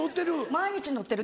毎日乗ってるけど。